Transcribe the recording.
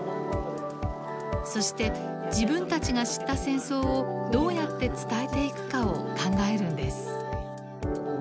そして自分たちが知った戦争をどうやって伝えていくかを考えるんです。